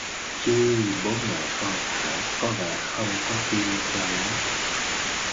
Chứ bố mẹ con Thảo có vẻ không có tin cho lắm